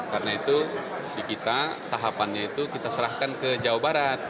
karena itu di kita tahapannya itu kita serahkan ke jawa barat